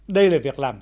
đây là việc làm